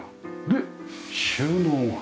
で収納は。